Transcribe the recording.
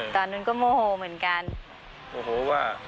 ตอนนั้นก็โมโหเหมือนกันโมโหว่า